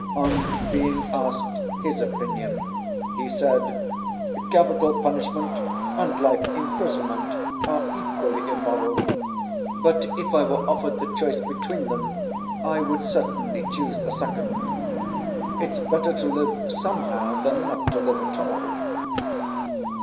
On being asked his opinion, he said: "Capital punishment and life imprisonment are equally immoral; but if I were offered the choice between them, I would certainly choose the second. It's better to live somehow than not to live at all."